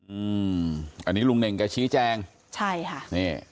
อืมอันนี้ลุงเน่งแกชี้แจงใช่ค่ะนี่